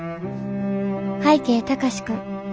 「拝啓貴司君